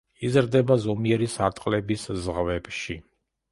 იზრდება ზომიერი სარტყლების ზღვებში.